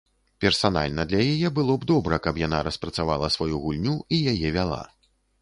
Персанальна для яе было б добра, каб яна распрацавала сваю гульню і яе вяла.